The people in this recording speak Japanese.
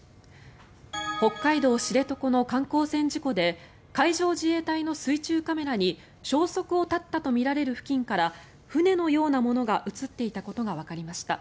北海道・知床の観光船事故で海上自衛隊の水中カメラに消息を絶ったとみられる付近から船のようなものが映っていたことがわかりました。